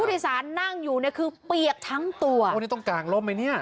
ผู้โดยสารนั่งอยู่นี่คือเปียกทั้งตัวอันนี้ต้องกางลมไหมเนี่ย